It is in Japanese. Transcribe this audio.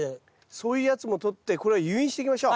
そういうやつもとってこれを誘引していきましょう。